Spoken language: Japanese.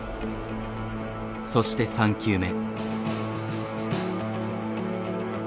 そして３球目。